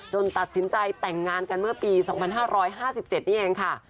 ตัดสินใจแต่งงานกันเมื่อปี๒๕๕๗นี่เองค่ะ